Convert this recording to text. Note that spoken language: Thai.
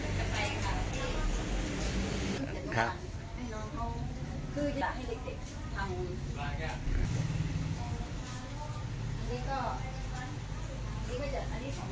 เราไม่สามารถงานที่นี่นะเราไม่สามารถทำได้อีกเลย